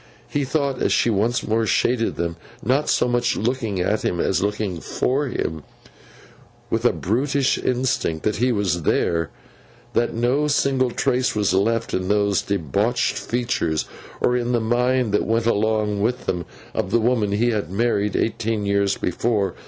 He thought, as she once more shaded them—not so much looking at him, as looking for him with a brutish instinct that he was there—that no single trace was left in those debauched features, or in the mind that went along with them, of the woman he had married eighteen years before.